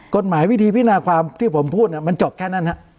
กฎหมายวิธีพินาความที่ผมพูดมันจบแค่นั้น